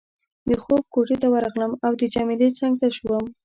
د خوب کوټې ته ورغلم او د جميله څنګ ته شوم.